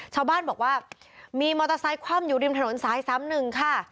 ชาวบ้านบอกว่ามีมอเตอร์ไซคว่ำอยู่ริมถนนสาย๓๑ค่ะ